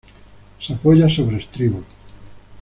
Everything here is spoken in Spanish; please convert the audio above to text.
Se apoya sobre estribos.